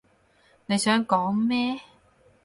你想講咩？